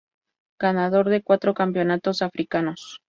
Ganador de cuatro campeonatos africanos.